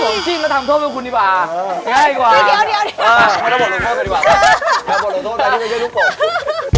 ก็ต้องหมดลดตัวแต่นี่ไม่ใช่ลูกโป้ม